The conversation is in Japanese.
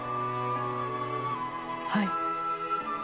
はい。